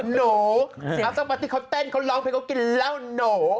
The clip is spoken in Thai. หนูอาฟเตอร์ปาร์ตี้เขาเต้นเขาร้องเพลงเขากินแล้วหนู